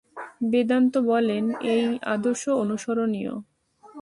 বেদান্ত বলেন, এই আদর্শ অনুসরণীয়।